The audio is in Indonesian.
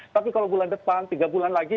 tapi kalau bulan depan tiga bulan lagi